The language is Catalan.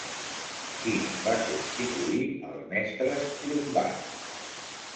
Qui va substituir els mestres llombards?